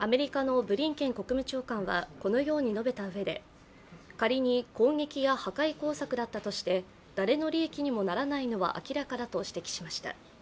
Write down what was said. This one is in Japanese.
アメリカのブリンケン国務長官はこのように述べたうえで仮に攻撃や破壊工作だったとして誰の利益にならないのは明らかだと指摘しました。